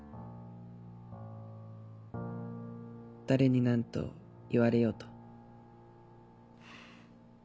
誰に何と言われようと。